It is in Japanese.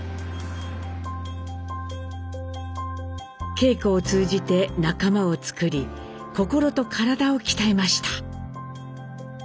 稽古を通じて仲間を作り心と体を鍛えました。